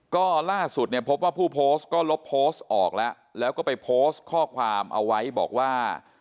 ก็ล่าสุดเนี่ยพบว่าผู้โพสต์ก็ลบโพสต์ออกแล้วแล้วก็ไปโพสต์ข้อความเอาไว้บอกว่า